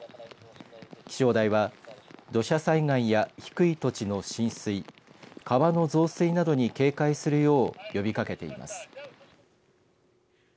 気象台は土砂災害や低い土地の浸水川の増水などに警戒するよう呼びかけています。